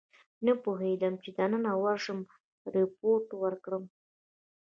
نه پوهېدم چې دننه ورشم ریپورټ ورکړم.